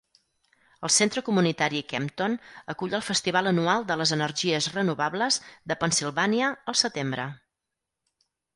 El Centre Comunitari Kempton acull el festival anual de les energies renovables de Pennsilvània al setembre.